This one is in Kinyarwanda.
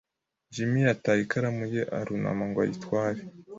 Jim yataye ikaramu ye arunama ngo ayitware.